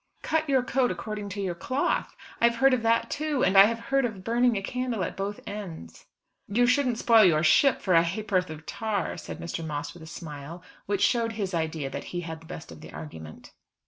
'" "'Cut your coat according to your cloth,' I have heard of that too; and I have heard of 'Burning a candle at both ends.'" "'You shouldn't spoil your ship for a ha'porth of tar,'" said Mr. Moss with a smile, which showed his idea, that he had the best of the argument.